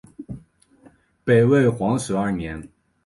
北魏皇始二年。